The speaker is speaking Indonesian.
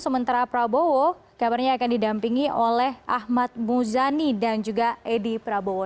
sementara prabowo kabarnya akan didampingi oleh ahmad muzani dan juga edi prabowo